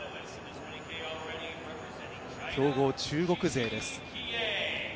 強豪・中国勢です。